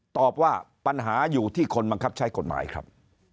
ตอบว่าปัญหาอยู่ที่คนบังคับใช้กฎหมายครับ